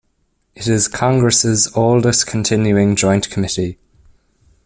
It is Congress's oldest continuing joint committee.